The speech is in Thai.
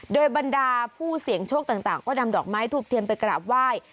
โดยบรรดาผู้เสี่ยงโชคต่างก็นำดอกไม้ทูบเทียนไปกราบไหว้